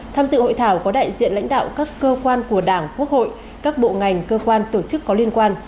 tham dự hội thảo có đại diện lãnh đạo các cơ quan của đảng quốc hội các bộ ngành cơ quan tổ chức có liên quan